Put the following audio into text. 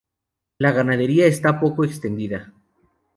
La ganadería está poco extendida.